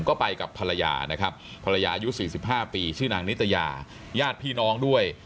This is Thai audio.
ก็ไปกับภรรยายุ๔๕ปีชื่อนางนิตยาญาติพี่น้องด้วย